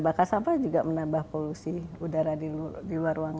bahkan sampah juga menambah polusi udara di luar ruangan